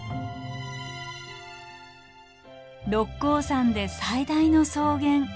六甲山で最大の草原。